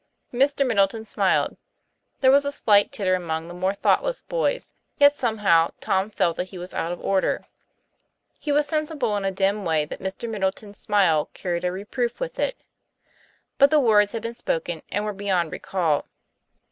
Mr. Middleton smiled; there was a slight titter among the more thoughtless boys; yet somehow Tom felt that he was out of order; he was sensible in a dim way that Mr. Middleton's smile carried a reproof with it. But the words had been spoken, and were beyond recall.